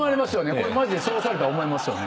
これマジでそうされたら思いますよね。